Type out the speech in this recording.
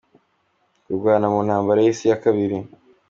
kurwana mu ntambara y’isi ya kabiri.